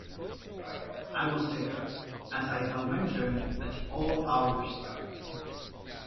I was there, as I have mentioned, at all hours.